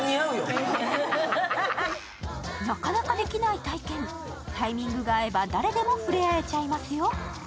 なかなかできない体験タイミングが合えば誰でも触れあえちゃいますよ。